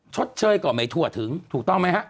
ชดเชยก่อนไม่ถั่วถึงถูกต้องไหมครับ